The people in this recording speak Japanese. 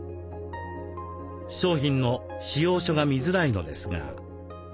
商品の仕様書が見づらいのですが。